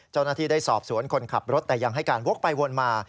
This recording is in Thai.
เจ้าหน้าที่ได้สอบสวนคนขับรถแต่ยังให้การวกไปวนมา